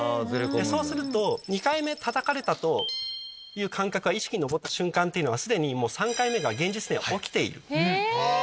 そうすると２回目たたかれたという感覚が意識に上った瞬間っていうのは既に３回目が現実には起きている。